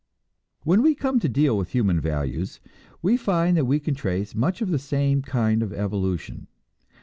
When we come to deal with human values, we find that we can trace much the same kind of evolution.